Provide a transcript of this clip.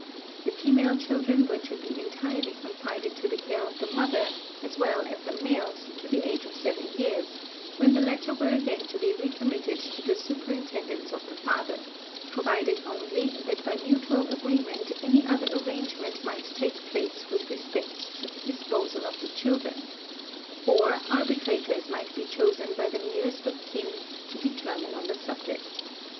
The female children were to be entirely confided to the care of the mother, as well as the males, to the age of seven years, when the latter were again to be re committed to the superintendence of the father; provided only, that by mutual agreement any other arrangement might take place with respect to the disposal of the children; or arbitrators might be chosen by the nearest of kin to determine on the subject.